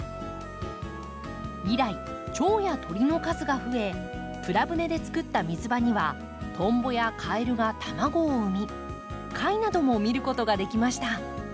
以来チョウや鳥の数がふえプラ舟でつくった水場にはトンボやカエルが卵を産み貝なども見ることができました。